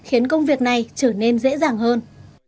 khiến công việc này trở nên dễ dàng hơn